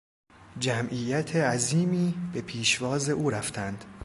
جمعیت عظیمی به پیشواز او رفتند.